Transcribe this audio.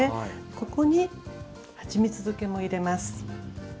ここにはちみつ漬けも入れます。